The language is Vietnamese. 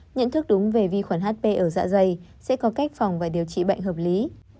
nhận thức đúng về vi khuẩn hp ở dạ dày sẽ có cách phòng và điều trị bệnh hợp lý